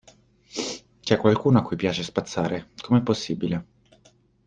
C'è qualcuno a cui piace spazzare, com'è possibile?